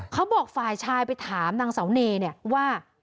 เขาบอกฝ่ายชายไปถามนางเสาเนเนี่ยว่า